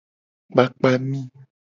Kpakpa mi.